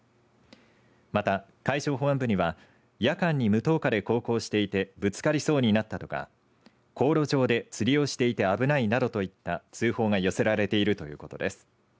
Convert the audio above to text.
また、海上保安部には夜間に無灯火で航行していてぶつかりそうになったとか航路上で釣りをしていて危ないなどといった通報が寄せられているということです。